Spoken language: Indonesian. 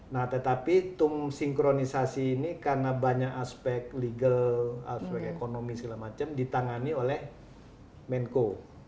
nah tetapi tum sinkronisasi ini karena banyak aspek legal aspek ekonomi segala macam ditangani oleh menko